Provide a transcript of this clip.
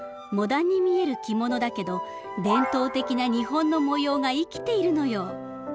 モダンに見える着物だけど伝統的な日本の模様が生きているのよ。